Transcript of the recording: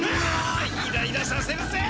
イライラさせるぜ！